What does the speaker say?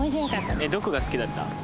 どこが好きだった？